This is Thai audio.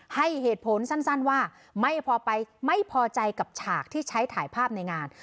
ให้เหตุผลสั้นว่าไม่พอใจกับฉากที่ใช้ถ่ายภาพในงาน